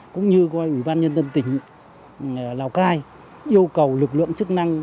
cũng như ủy ban nhân dân tỉnh lào cai yêu cầu lực lượng chức năng